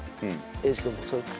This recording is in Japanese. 英二君もそっち。